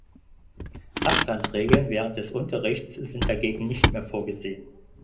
Abstandsregeln während des Unterrichts sind dagegen nicht mehr vorgesehen.